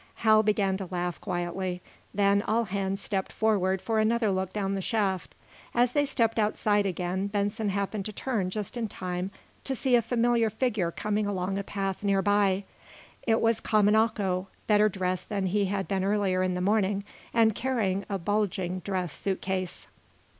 Hal began to laugh quietly. Then all hands stepped forward for another look down the shaft. As they stepped outside again Benson happened to turn just in time to see a familiar figure coming along a path near by. It was Kamanako, better dressed than he had been earlier in the morning, and carrying a bulging dress suitcase.